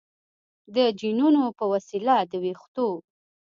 د جینونو په وسیله د ویښتو